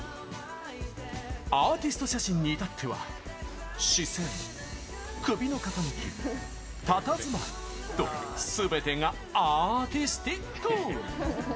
アーティスト写真にいたっては視線、首の傾き、たたずまいと全てがアーティスティック！